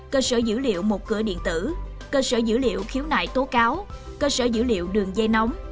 cơ sở dữ liệu một cửa điện tử cơ sở dữ liệu khiếu nại tố cáo cơ sở dữ liệu đường dây nóng